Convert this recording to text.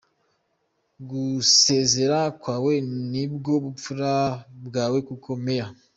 gusezera kwawe ni bwo bupfura bwawe kuko Mayor.